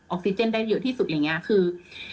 ออกซิเจนได้เยอะที่สุดอะไรอย่างนี้คือ